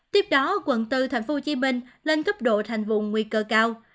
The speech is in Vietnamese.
tiếp đó quận bốn tp hcm lên cấp độ thành vùng nguy cơ cao